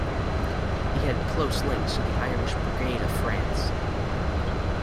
He had close links to the Irish Brigade of France.